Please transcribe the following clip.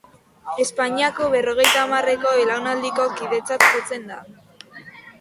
Espainiako berrogeita hamarreko belaunaldiko kidetzat jotzen da.